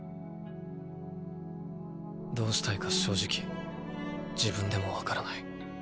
どうしたいか正直自分でもわからない。